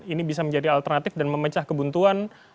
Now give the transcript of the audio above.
ini bisa menjadi alternatif dan memecah kebuntuan